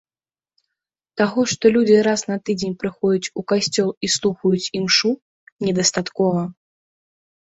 Таго, што людзі раз на тыдзень прыходзяць у касцёл і слухаюць імшу, недастаткова.